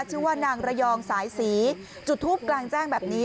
ชื่อว่านางระยองสายศรีจุดทูปกลางแจ้งแบบนี้